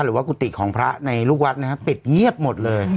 กุฏิของพระในลูกวัดนะครับปิดเงียบหมดเลย